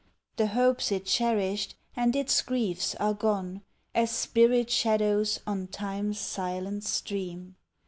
The hopes it cherished and its griefs are gone As spirit shadows on Time's silent stream!